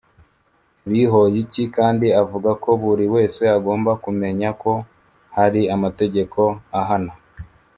Bihoyiki kandi avuga ko buri wese agomba kumenya ko hari amategeko ahana